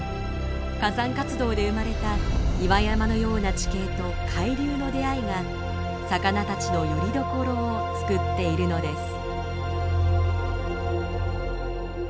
火山活動で生まれた岩山のような地形と海流の出会いが魚たちのよりどころを作っているのです。